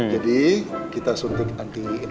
jadi kita bisa enggak kekal ya kan